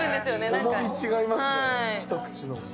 重み違いますね、一口の。